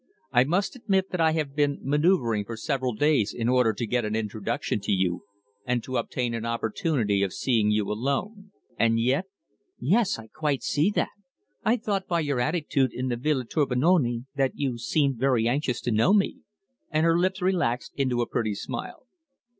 I must admit that I have been manoeuvring for several days in order to get an introduction to you, and to obtain an opportunity of seeing you alone. And yet " "Yes. I quite see that. I thought by your attitude in the Via Tornabuoni that you seemed very anxious to know me," and her lips relaxed into a pretty smile.